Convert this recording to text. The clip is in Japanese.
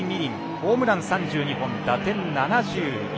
ホームラン３２本、打点７１。